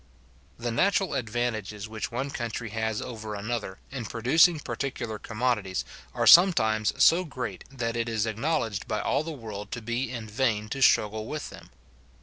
The natural advantages which one country has over another, in producing particular commodities, are sometimes so great, that it is acknowledged by all the world to be in vain to struggle with them.